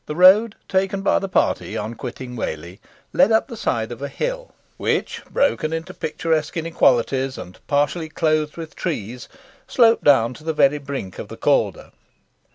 The road taken by the party on quitting Whalley led up the side of a hill, which, broken into picturesque inequalities, and partially clothed with trees, sloped down to the very brink of the Calder.